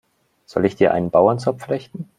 Soll ich dir einen Bauernzopf flechten?